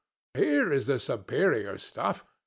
Here is the superior stuff!